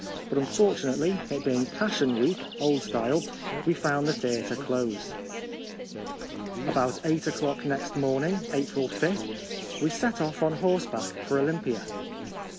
But un fortunately, it being Passion week, old style, we found the theatre closed. About eight o'clock next morning (April 5) we set off on horseback for Olympia.